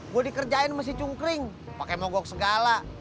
gue dikerjain mesti cungkring pakai mogok segala